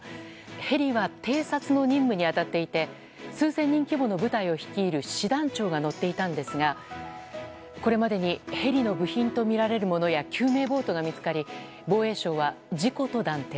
ヘリは偵察の任務に当たっていて数千人規模の部隊を率いる師団長が乗っていたんですがこれまでにヘリの部品とみられるものや救命ボートが見つかり防衛省は事故と断定。